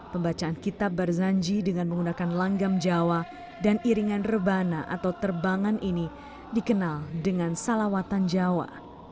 pembacaan kitab barzanji dengan menggunakan langgam jawa dan iringan rebana atau terbangan ini dikenal dengan salawatan jawa